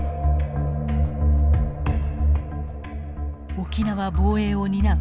沖縄防衛を担う